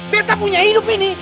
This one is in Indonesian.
betta punya hidup ini